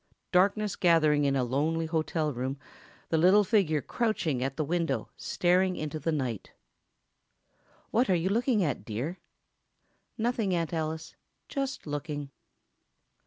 Darkness gathering in a lonely hotel room—a little figure crouching at the window, staring into the night. "What are you looking at, dear?" "Nothing, Aunt Alice—just looking."